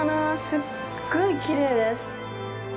すっごいきれいです。